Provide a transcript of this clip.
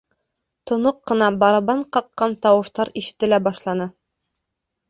Тоноҡ ҡына барабан ҡаҡҡан тауыштар ишетелә башланы.